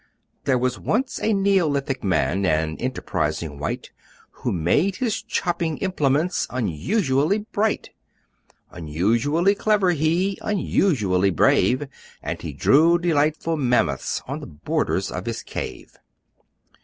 There was once a Neolithic Man, An enterprising wight, Who made his chopping implements Unusually bright; Unusually clever he, Unusually brave, And he drew delightful Mammoths On the borders of his cave.